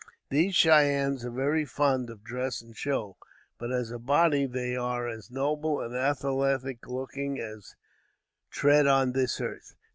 These Cheyennes are very fond of dress and show; but, as a body, they are as noble and athletic looking men as tread this earth.